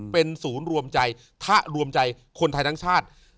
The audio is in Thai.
เป็นศูนย์รวมใจถ้ารวมใจคนไทยทั้งชาติ